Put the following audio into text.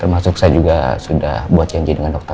termasuk saya juga sudah buat janji dengan dokter